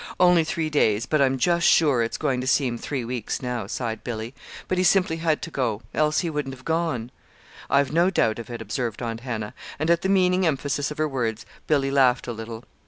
"Only three days; but I'm just sure it's going to seem three weeks, now," sighed Billy. "But he simply had to go else he wouldn't have gone." "I've no doubt of it," observed Aunt Hannah. And at the meaning emphasis of her words, Billy laughed a little.